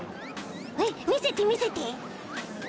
えっみせてみせて。